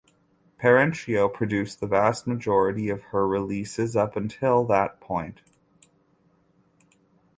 Perenchio produced the vast majority of her releases up until that point.